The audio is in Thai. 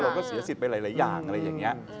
เราก็เสียสิทธิ์ไปหลายอย่างแบบนี้